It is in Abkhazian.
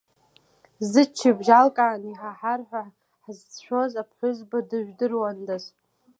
Зыччабжь алкааны иҳаҳар ҳәа ҳзыцәшәоз аԥҳәызба дыжәдыруандаз!